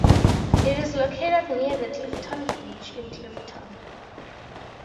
It is located near the Clifton Beach in Clifton.